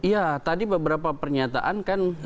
ya tadi beberapa pernyataan kan